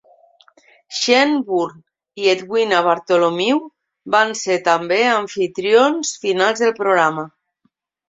Shane Bourne i Edwina Bartholomew van ser també amfitrions finals del programa.